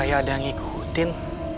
kayak ada yang ngikutin